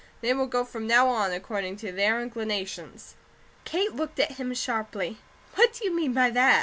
They will go from now on according to their inclinations." Kate looked at him sharply: "What do you mean by that?"